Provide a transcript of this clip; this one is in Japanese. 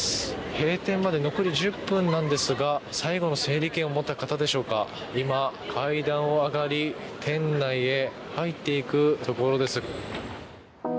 閉店まで残り１０分なんですが最後の整理券を持った方でしょうか今、階段を上がり店内へ入っていくところです。